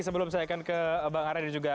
sebelum saya akan ke bang arya dan juga